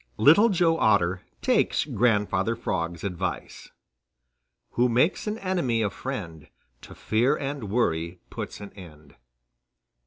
_] VI LITTLE JOE OTTER TAKES GRANDFATHER FROG'S ADVICE Who makes an enemy a friend, To fear and worry puts an end.